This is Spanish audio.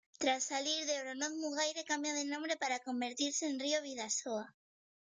Tras salir de Oronoz-Mugaire cambia de nombre para convertirse en río Bidasoa.